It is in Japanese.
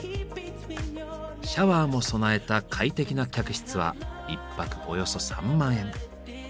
シャワーも備えた快適な客室は１泊およそ３万円。